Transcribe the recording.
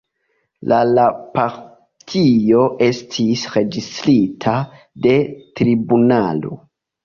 La la partio estis registrita de tribunalo.